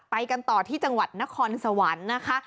ไปกันต่อที่จังหวัดนครสวรรค์นะคะ